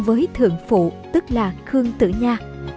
với thượng phụ tức là khương tử nha